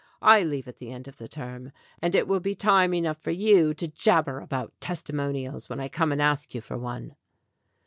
I leave at the end of the term, and it will be time enough for you to jabber about testimonials when I come and ask you for one."